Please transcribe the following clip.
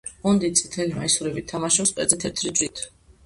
გუნდი წითელი მაისურებით თამაშობს მკერდზე თეთრი ჯვრით.